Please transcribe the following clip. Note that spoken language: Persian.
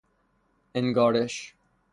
انگارش